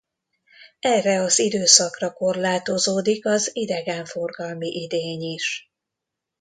Erre az időszakra korlátozódik az idegenforgalmi idény is.